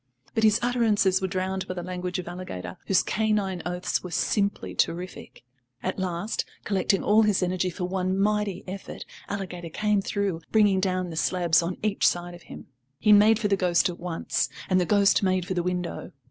But his utterances were drowned by the language of Alligator, whose canine oaths were simply terrific. At last, collecting all his energy for one mighty effort, Alligator came through, bringing down the slabs on each side of him. He made for the ghost at once, and the ghost made for the window.